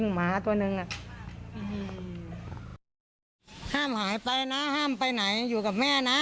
ห้ามหายไปนะห้ามไปไหนอยู่กับแม่นะ